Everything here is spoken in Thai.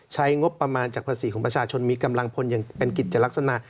ใช้งบประมาณจากภาษีของประชาชนมีกำลังพลอย่างเป็นกิจลักษณะ